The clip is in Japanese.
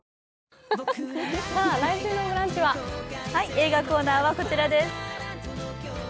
映画コーナーはこちらです。